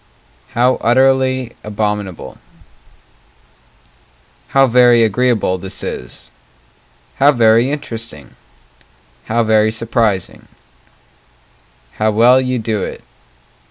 How utterly abominable How very agreeable this is! How very interesting How very surprising How well you do it!